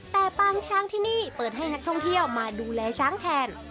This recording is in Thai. แต่ปางช้างที่นี่เปิดให้นักท่องเที่ยวมาดูแลช้างแทน